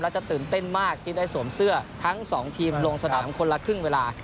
แล้วจะตื่นเต้นมากคิดได้สวมเสื้อทั้งสองทีมลงสะดาวทั้งคนละครึ่งเวลา